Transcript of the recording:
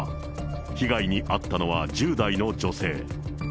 被害に遭ったのは１０代の女性。